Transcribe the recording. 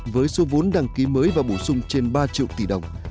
với số vốn đăng ký mới và bổ sung trên ba triệu tỷ đồng